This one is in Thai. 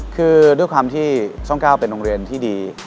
คือด้วยความที่ช่อง๙เป็นโรงเรียนที่ดี